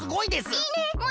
いいね！